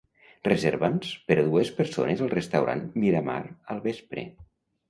Reserva'ns per a dues persones al restaurant Miramar al vespre.